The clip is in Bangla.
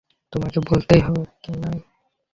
তোমাকেই বলতে হবে, কিনাই।